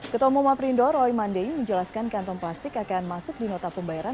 ketua umumah perindo roy mandei menjelaskan kantong plastik akan masuk di nota pembayaran